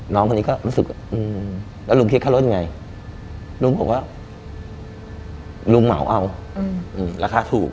น้องคนนี้ก็รู้สึกแล้วรุมเคลียดค่ารถยังไงรุมผมก็รุมเหมาเอาราคาถูก